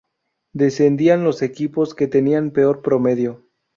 Descendían los dos equipos que tenían peor promedio.